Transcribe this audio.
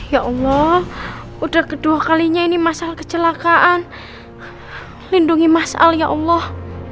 ya allah udah kedua kalinya ini masalah kecelakaan lindungi masalah ya allah